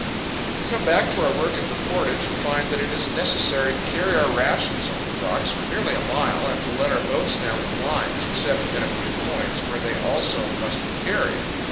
We come back to our work at the portage and find that it is necessary to carry our rations over the rocks for nearly a mile and to let our boats down with lines, except at a few points, where they also must be carried.